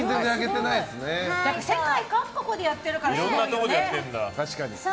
世界各国でやってるからすごいよね。